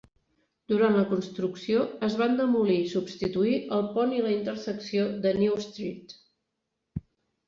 Durant la construcció, es van demolir i substituir el pont i la intersecció de New Street.